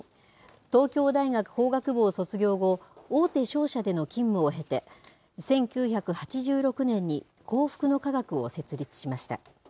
東京大学法学部を卒業後、大手商社での勤務を経て、１９８６年に幸福の科学を設立しました。